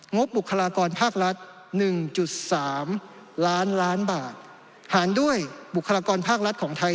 บุคลากรภาครัฐ๑๓ล้านล้านบาทหารด้วยบุคลากรภาครัฐของไทย